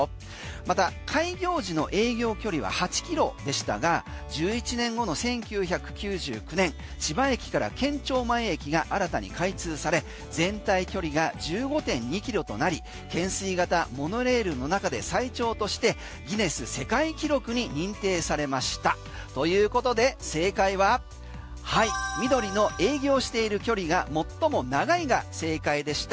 また、開業時の営業距離は８キロでしたが１１年後の１９９９年千葉駅から県庁前駅が新たに開通され全体距離が１５．２キロとなり懸垂型モノレールの中で最長としてギネス世界記録に認定されましたということで正解は緑の営業している距離が最も長いが正解でした。